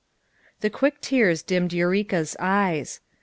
" The quick tears dimmed Eureka's eyes.